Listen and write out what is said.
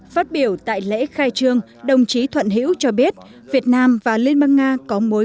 phát biểu tại lễ khai trương đồng chí thuận hữu cho biết việt nam và liên bang nga có mối